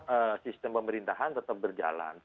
kalau itu kemudian pemerintahan tetap berjalan